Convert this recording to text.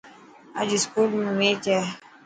اڄ اسڪول ۾ ميچ هي.